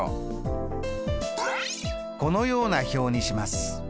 このような表にします。